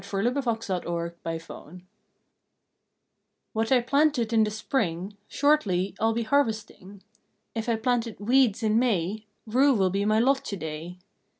October Sixth FRUITION V17TIAT I planted in the spring Shortly I ll be harvesting. If I planted weeds in May, Rue will be my lot to day.